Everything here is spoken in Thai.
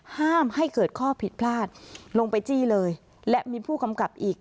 ห้ามให้เกิดข้อผิดพลาดลงไปจี้เลยและมีผู้กำกับอีก